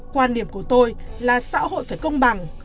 quan điểm của tôi là xã hội phải công bằng